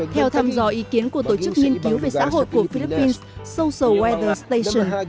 theo thăm dò ý kiến của tổ chức nhiên cứu về xã hội của philippines social weather station